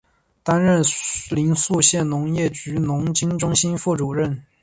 担任临沭县农业局农经中心副主任。